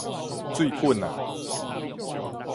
水滾矣